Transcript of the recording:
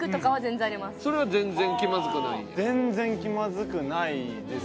それは全然気まずくないんや。